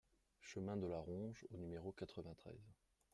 Chemin de la Ronge au numéro quatre-vingt-treize